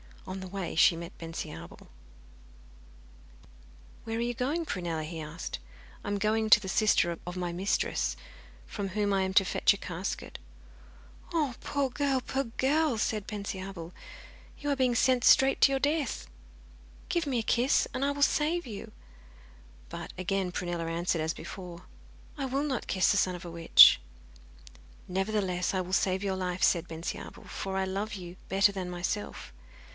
On the way she met Bensiabel. 'Where are you going, Prunella?' he asked. 'I am going to the sister of my mistress, from whom I am to fetch a casket.' 'Oh poor, poor girl!' said Bensiabel. 'You are being sent straight to your death. Give me a kiss, and I will save you.' But again Prunella answered as before, 'I will not kiss the son of a witch.' 'Nevertheless, I will save your life,' said Bensiabel, 'for I love you better than myself.